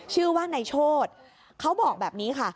ชื่อว่านายโชธเขาบอกแบบนี้ค่ะ